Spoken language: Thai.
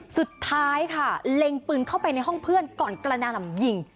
สุดท้ายค่ะเล็งปืนเข้าไปในห้องเพื่อนก่อนกระหน่ำยิง